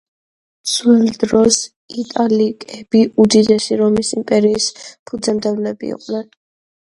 ძველ დროს იტალიკები უდიდესი რომის იმპერიის ფუძემდებლები იყვნენ.